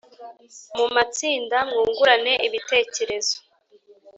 Mu matsinda mwungurane ibitekerezo